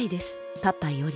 パパより」。